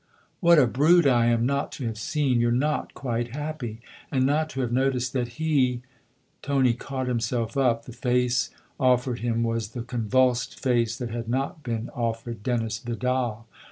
" What a brute I am not to have seen you're not quite happy, and not to have noticed that he !" Tony caught himself up ; the face offered him was the convulsed face that had not been offered Dennis Vidal.